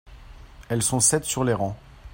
elles sont sept sur les rangs.